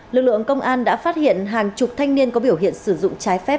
lực lượng công an đã phát hiện hàng chục thanh niên có biểu hiện sử dụng